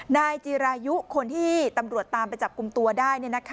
นายจีรายุคนที่ตำรวจตามไปจับกลุ่มตัวได้